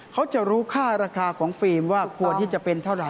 เขาจะรู้ค่าราคาของฟิล์มว่าควรที่จะเป็นเท่าไห